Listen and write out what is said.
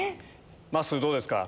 ⁉まっすーどうですか？